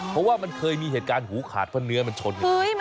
เพราะว่ามันเคยมีเหตุการณ์หูขาดเพราะเนื้อมันชน